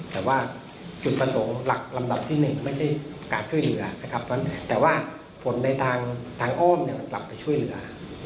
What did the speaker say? แต่ว่าจุดประสงค์หลักลำดับที่๑ไม่ใช่การช่วยเหลือแต่ว่าผลในทางโอ้งก็สามารถซื้อช่วยเหลือ